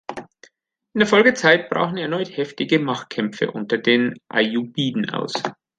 In der Folgezeit brachen erneut heftige Machtkämpfe unter den Ayyubiden aus.